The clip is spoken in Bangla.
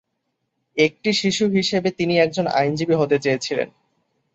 একটি শিশু হিসাবে তিনি একজন আইনজীবী হতে চেয়েছিলেন।